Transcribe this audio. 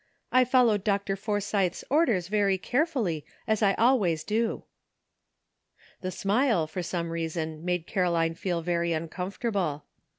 I fol lowed Dr. Forsythe's orders very carefully, as I always do." The smile, for some reason, made Caroline feel very uncomfortable.